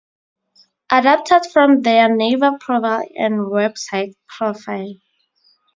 Adapted from their Naver profile and website profile.